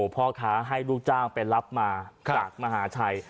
พ่อค้าให้ลูกจ้างไปรับมาจากมหาชัย